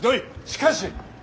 しかし。